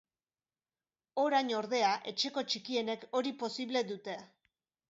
Orain, ordea, etxeko txikienek hori posible dute.